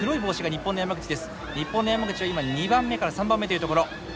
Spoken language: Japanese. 日本の山口は今２番目から３番目というところ。